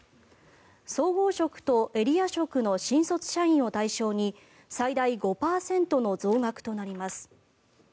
総合職とエリア職の新卒社員を対象に最大５％の増額となります。